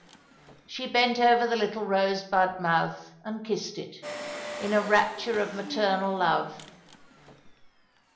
She bent over the little rosebud mouth and kissed it, in a rapture of maternal love.